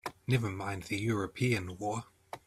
Never mind the European war!